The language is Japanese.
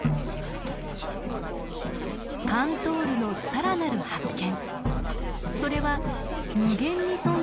カントールの更なる発見。